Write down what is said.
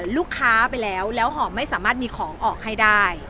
ลูกค้าไปแล้วแล้วหอมไม่สามารถมีของออกให้ได้